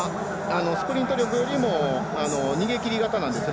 スプリント力よりも逃げ切りなんですよね。